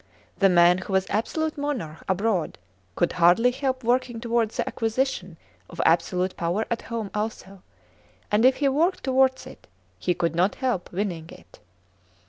The man who was absolute monarch abroad could hardly help working towards the acquisition of absolute power at home also ; and if he worked towards it, ~e could not help winning it.